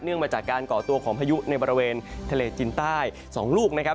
มาจากการก่อตัวของพายุในบริเวณทะเลจินใต้๒ลูกนะครับ